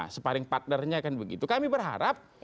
separing partnernya kan begitu kami berharap